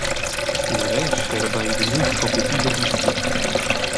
Il rest era beinvegnius sco pupi da hisli.